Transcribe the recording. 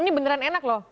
ini beneran enak loh